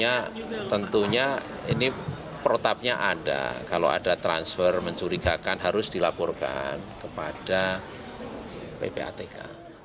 ya tentunya ini protapnya ada kalau ada transfer mencurigakan harus dilaporkan kepada ppatk